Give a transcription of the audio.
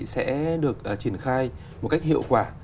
sẽ được triển khai một cách hiệu quả